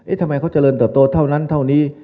เอ๊ะทำไมเขาเจริญตัวตัวเท่านั้นเท่านี้